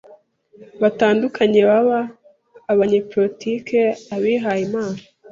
batandukanye baba abanyepolitike, abihaye Imana,